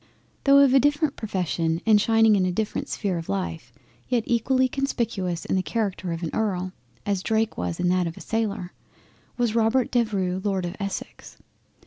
Though of a different profession, and shining in a different sphere of Life, yet equally conspicuous in the Character of an Earl, as Drake was in that of a Sailor, was Robert Devereux Lord Essex.